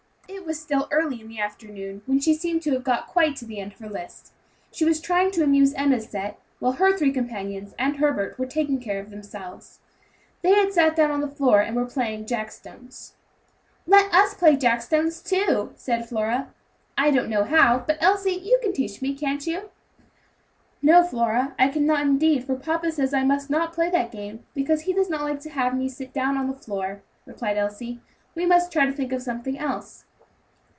It was still early in the afternoon when she seemed to have got quite to the end of her list. She was trying to amuse Enna's set, while her three companions and Herbert were taking care of themselves. They had sat down on the floor, and were playing jack stones. "Let us play jack stones, too," said Flora. "I don't know how; but Elsie, you can teach me, can't you?" "No, Flora, I cannot indeed, for papa says I must not play that game, because he does not like to have me sit down on the floor," replied Elsie. "We must try to think of something else."